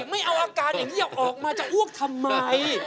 ไม่เอาอาการอย่างนี้ออกมาจะอ้วกทำไม